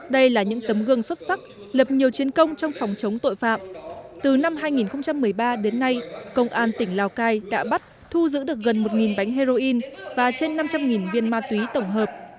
đây là những tấm gương xuất sắc lập nhiều chiến công trong phòng chống tội phạm từ năm hai nghìn một mươi ba đến nay công an tỉnh lào cai đã bắt thu giữ được gần một bánh heroin và trên năm trăm linh viên ma túy tổng hợp